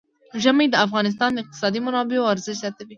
ژمی د افغانستان د اقتصادي منابعو ارزښت زیاتوي.